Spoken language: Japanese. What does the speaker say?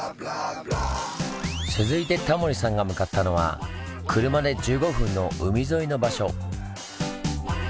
続いてタモリさんが向かったのは車で１５分の海沿いの場所。